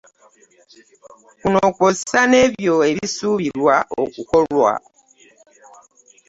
Kuno kw'osa n'ebyo ebisuubirwa okukolwa